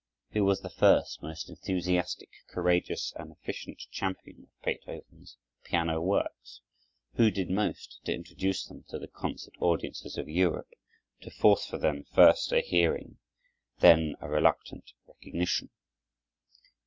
Who was the first, most enthusiastic, courageous, and efficient champion of Beethoven's piano works? Who did most to introduce them to the concert audiences of Europe, to force for them first a hearing, then a reluctant recognition?